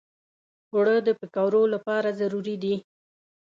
اوړه د پکوړو لپاره ضروري دي